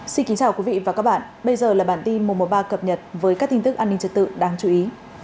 xin kính chào quý vị và các bạn bây giờ là bản tin mùa mùa ba cập nhật với các tin tức an ninh trật tự đáng chú ý